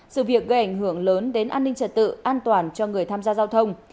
sự việc gây ảnh hưởng lớn đến an ninh trật tự an toàn cho người tham gia giao thông